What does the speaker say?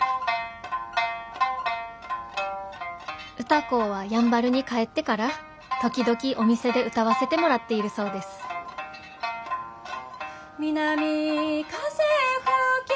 「歌子はやんばるに帰ってから時々お店で歌わせてもらっているそうです」。「南風吹けば」